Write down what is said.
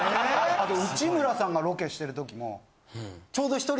あと内村さんがロケしてるときも。